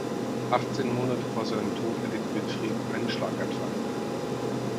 Achtzehn Monate vor seinem Tod erlitt Wilfrid einen Schlaganfall.